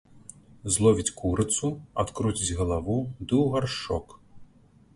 Зловіць курыцу, адкруціць галаву ды ў гаршчок.